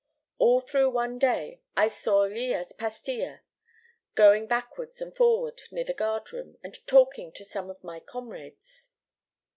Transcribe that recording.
All through one day I saw Lillas Pastia going backward and forward near the guard room, and talking to some of my comrades.